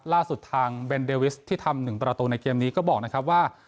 ล่าสุดทางเบนเดวิสที่ทำ๑ประตูในเกมนี้ก็บอกนะครับว่า